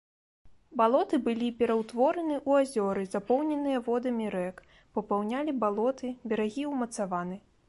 Балоты былі пераўтвораны ў азёры, запоўненыя водамі рэк, папаўнялі балоты, берагі ўмацаваны.